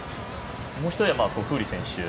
もう１人は、フーリー選手。